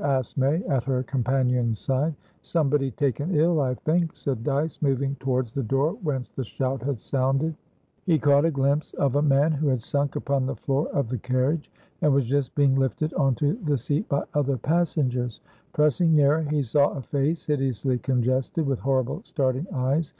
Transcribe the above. asked May, at her companion's side. "Somebody taken ill, I think," said Dyce, moving towards the door whence the shout had sounded. He caught a glimpse of a man who had sunk upon the floor of the carriage, and was just being lifted onto the seat by other passengers. Pressing nearer, he saw a face hideously congested, with horrible starting eyes.